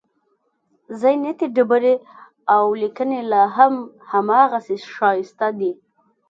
زینتي ډبرې او لیکنې لاهم هماغسې ښایسته دي.